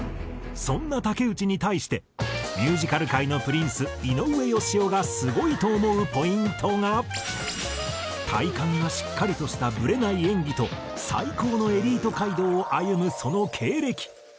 そんな竹内に対してミュージカル界のプリンス井上芳雄がすごいと思うポイントが体幹がしっかりとしたブレない演技と最高のエリート街道を歩むその経歴。